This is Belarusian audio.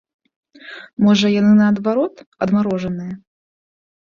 Можа, яны, наадварот, адмарожаныя?